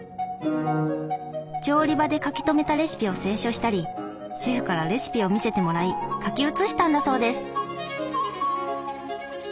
調理場で書き留めたレシピを清書したりシェフからレシピを見せてもらい書き写したんだそうです。